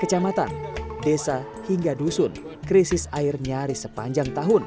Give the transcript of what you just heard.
kecamatan desa hingga dusun krisis air nyaris sepanjang tahun